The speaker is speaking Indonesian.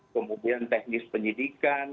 kemudian teknis penyidikan